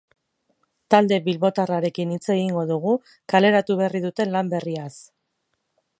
Talde bilbotarrarekin hitz egingo dugu kaleratu berri duten lan berriaz.